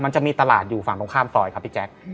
มันจะมีตลาดอยู่ฝั่งตรงข้ามซอยครับพี่แจ๊ค